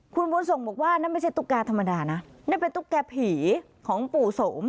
คุณบุญส่งบอกว่านั่นไม่ใช่ตุ๊กแก่ธรรมดานะนั่นเป็นตุ๊กแก่ผีของปู่สม